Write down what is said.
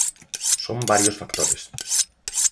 Son varios factores.